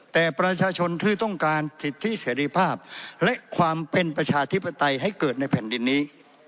แต่ประชาชนที่ต้องการสิทธิเสรีภาพและความเป็นประชาธิปไตยให้เกิดในแผ่นดินนี้